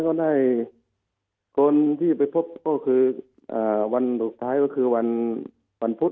ก็ได้คนที่ไปพบก็คือวันสุดท้ายก็คือวันพุธ